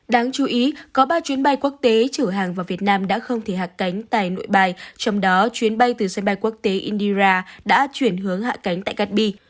đáng chú ý có ba chuyến bay quốc tế chở hàng vào việt nam đã không thể hạc cánh tại nội bài trong đó chuyến bay từ sân bay quốc tế indira đã chuyển hướng hạ cánh tại gabbi